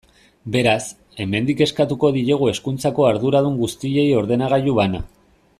Beraz, hemendik eskatuko diegu hezkuntzako arduradun guztiei ordenagailu bana.